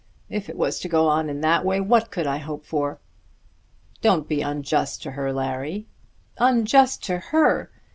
If it was to go in that way, what could I hope for?" "Don't be unjust to her, Larry." "Unjust to her!